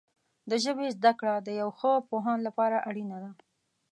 د ژبې زده کړه د یو ښه پوهاند لپاره اړینه ده.